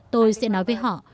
tôi sẽ nói với họ